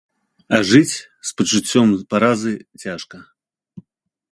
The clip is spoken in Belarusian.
А жыць з пачуццём паразы цяжка.